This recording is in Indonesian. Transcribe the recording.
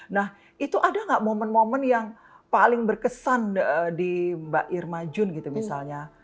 nah itu ada nggak momen momen yang paling berkesan di mbak irma jun gitu misalnya